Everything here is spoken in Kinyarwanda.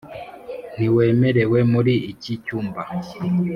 ntiwemerewe muri iki cyumba.